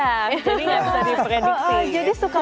jadi nggak bisa diprediksi